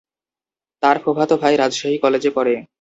তার ফুফাতো ভাই রাজশাহী কলেজে পড়ে।